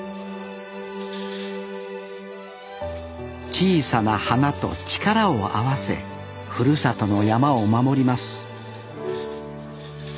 小さな花と力を合わせふるさとの山を守ります